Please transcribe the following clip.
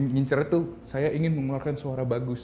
ngincer itu saya ingin mengeluarkan suara bagus